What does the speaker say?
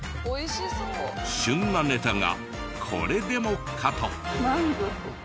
旬なネタがこれでもかと。